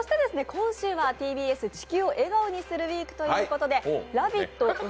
今週はＴＢＳ「地球を笑顔にするＷＥＥＫ」ということでラヴィット！